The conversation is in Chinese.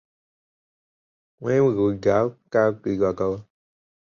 由新城娱乐台现场播出。